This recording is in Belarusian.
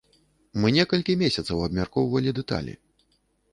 Мы некалькі месяцаў абмяркоўвалі дэталі.